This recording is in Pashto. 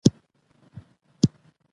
هرڅه ختم شول.